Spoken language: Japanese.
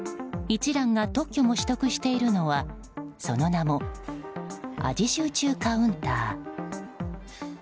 一蘭が特許も取得しているのはその名も、味集中カウンター。